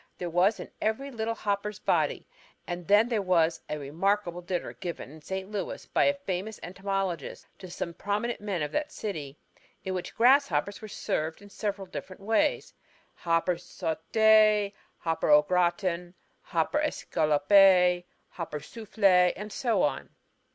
there was in every little hopper's body. And there was a remarkable dinner given in St. Louis by a famous entomologist to some prominent men of that city, in which grasshoppers were served in several different ways: hopper sauté, hopper au gratin, hopper escalloppé, hopper soufflé, and so on.